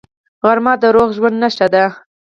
غرمه د روغ ژوند نښه ده